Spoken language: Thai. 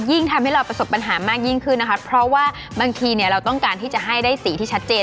ทำให้เราประสบปัญหามากยิ่งขึ้นนะคะเพราะว่าบางทีเนี่ยเราต้องการที่จะให้ได้สีที่ชัดเจน